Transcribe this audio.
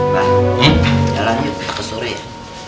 mbak jalan yuk ke sore ya